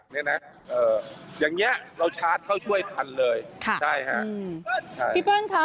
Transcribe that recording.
เนี่ยนะเอ่ออย่างเงี้ยเราชาร์จเข้าช่วยทันเลยค่ะใช่ฮะพี่เปิ้ลค่ะ